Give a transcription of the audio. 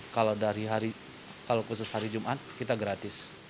kalau dari hari kalau khusus hari jumat kita gratis